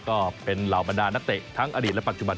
ก็เป็นเหล่าบรรดานักเตะทั้งอดีตและปัจจุบัน